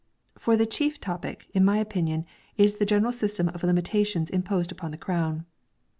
For the chief topic, in my opinion, is the general system of limitations imposed upon the Crown.